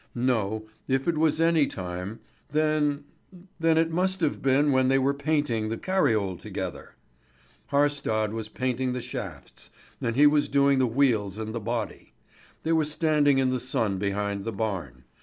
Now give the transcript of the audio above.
No, if it was any time, then then it must have been when they were painting the cariole together. Haarstad was painting the shafts, and he was doing the wheels and the body. They were standing in the sun behind the barn.